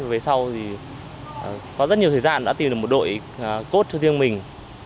về sau thì có rất nhiều thời gian đã tìm được một đội cốt cho riêng mình